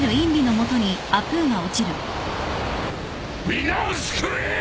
皆を救え！